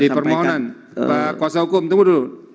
di permohonan pak kuasa hukum tunggu dulu